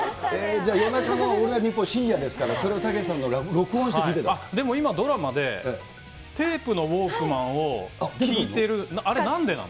じゃあ、夜中のオールナイトニッポン、深夜ですからそれを、たけしさんのを録音して聴いていでも今、ドラマでテープのウォークマンを聴いてる、あれ、なんでなの？